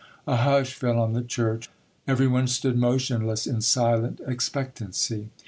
A hush fell on the church; everyone stood motionless in silent expectancy.